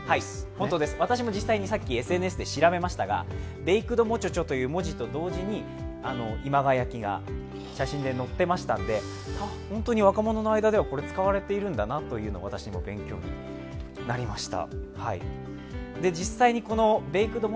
本当です、私も実際にさっきＳＮＳで調べましたがベイクドモチョチョという文字と同時に今川焼きが写真で載っていましたので本当に若者の間では使われているんだなと私も勉強になりました。